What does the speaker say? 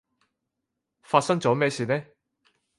發生咗咩嘢事呢？